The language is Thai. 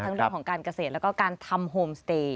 เรื่องของการเกษตรแล้วก็การทำโฮมสเตย์